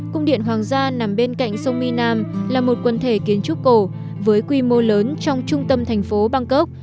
cung điện hoàng gia nằm bên cạnh sông mi nam là một quần thể kiến trúc cổ với quy mô lớn trong trung tâm thành phố bangkok